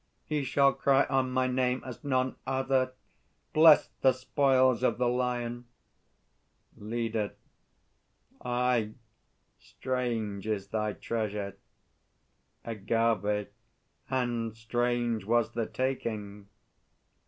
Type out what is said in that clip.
He shall cry on My name as none other, Bless the spoils of the Lion! LEADER. Aye, strange is thy treasure! AGAVE. And strange was the taking!